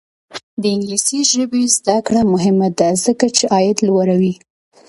د انګلیسي ژبې زده کړه مهمه ده ځکه چې عاید لوړوي.